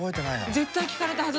絶対聞かれたはず！